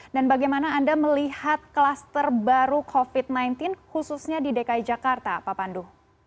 dan bagaimana anda melihat klaster baru covid sembilan belas khususnya di dki jakarta pak pandu